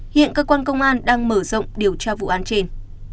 hiện cơ quan công an đang mở rộng điều tra vụ án trên